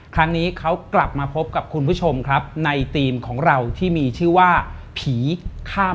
ครั้งนี้เขากลับมาพบกับคุณผู้ชมครับในทีมของเราที่มีชื่อว่าผีข้าม